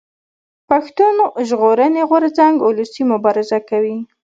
پښتون ژغورني غورځنګ اولسي مبارزه کوي